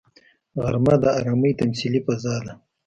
غرمه د ارامي تمثیلي فضا ده